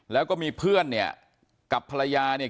แล้วก็มีเพื่อนเนี่ยกับภรรยาเนี่ย